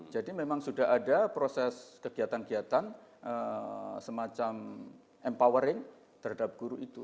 jadi memang sudah ada proses kegiatan kegiatan semacam empowering terhadap guru itu